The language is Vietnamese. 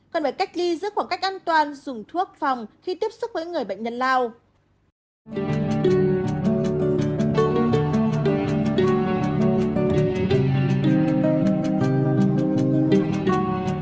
cần phải cách ly giữ khoảng cách an toàn dùng thuốc phòng khi tiếp xúc với người bệnh nhân lao